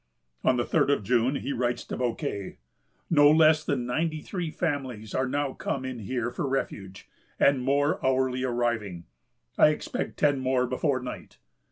On the third of June, he writes to Bouquet: "No less than ninety three families are now come in here for refuge, and more hourly arriving. I expect ten more before night."